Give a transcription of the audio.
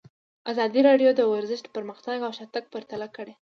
ازادي راډیو د ورزش پرمختګ او شاتګ پرتله کړی.